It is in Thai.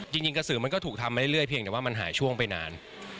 กระสือมันก็ถูกทำมาเรื่อยเพียงแต่ว่ามันหายช่วงไปนาน